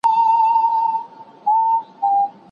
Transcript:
کمپيوټر سکېن ښيي.